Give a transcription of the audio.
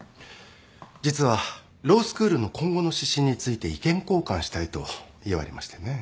実はロースクールの今後の指針について意見交換したいといわれましてね。